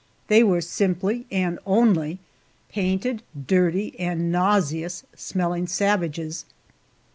They were simply, and only, painted, dirty, and nauseous smelling savages!